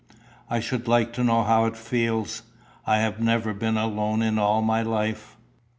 I should like to know how it feels. I have never been alone in all my life."